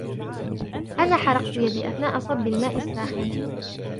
أنا حرقت يدي أثناء صب الماء الساخن.